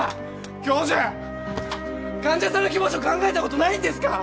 教授患者さんの気持ちを考えたことないんですか？